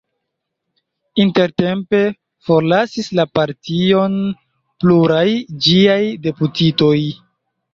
Intertempe forlasis la partion pluraj ĝiaj deputitoj.